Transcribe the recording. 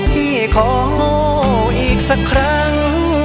พี่ของโง่อีกสักครั้ง